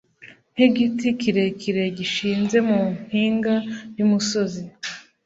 nk’igiti kirekire gishinze mu mpinga y’umusozi